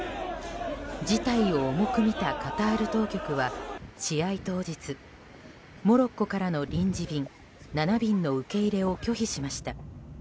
事態を重く見たカタール当局は試合当日、モロッコからの臨時便７便の受け入れを拒否しました。